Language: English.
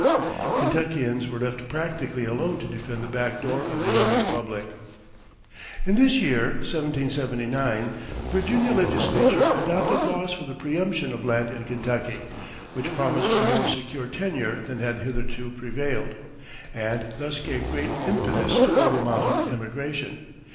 Kentuckians were left practically alone to defend the backdoor of the young Republic. In this year (1779) the Virginia legislature adopted laws for the preemption of land in Kentucky, which promised a more secure tenure than had hitherto prevailed, and thus gave great impetus to over mountain emigration.